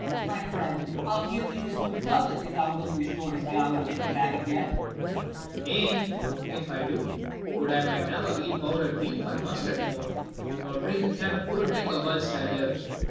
30 My friend, I'll give thee this new doublet, if thou wilt Restore his gown unto him back again. First Mar. Nay, if I do, would I might ne'er eat powder'd beef and mustard more, nor drink can of good liquor whilst I live.